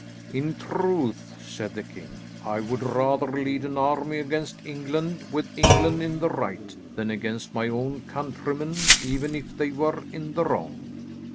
"In truth," said the king, "I would rather lead an army against England, with England in the right, than against my own countrymen, even if they were in the wrong."